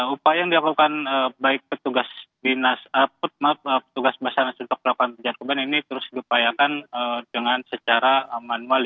upaya yang diakukan baik petugas binas putmap petugas basarnas untuk perawatan pencarian korban ini terus dipayakan dengan secara manual